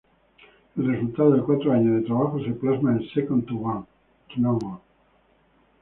El resultado de cuatro años de trabajo se plasma en Second to none.